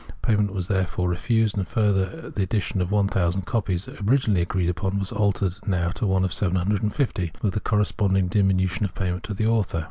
Payment was therefore refused, and further, the edition of one thousand copies, originally agreed upon, was altered now to one of seven hundred and fifty, with a corresponding diminution of payment to the author.